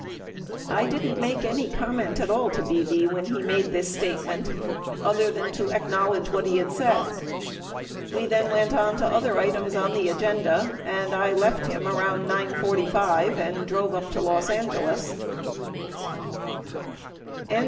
I didn't make any comment at. all to Bebe when he made this statement other than to acknowledge what he had said. We then went on to other items on the agenda, and I left him around 9 :45 and drove up to Los Angeles .